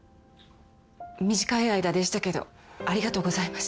短い間でしたけどありがとうございました。